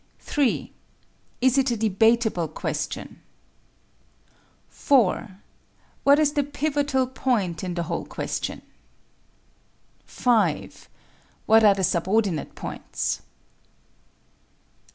3. Is it a debatable question? 4. What is the pivotal point in the whole question? 5. _What are the subordinate points?